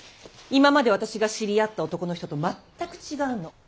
今まで私が知り合った男の人と全く違うの。